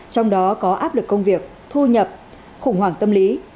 trong đó có áp lực công việc thu nhập khủng hoảng tâm lý